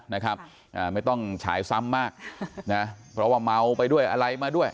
นะครับอ่าไม่ต้องฉายซ้ำมากนะเพราะว่าเมาไปด้วยอะไรมาด้วย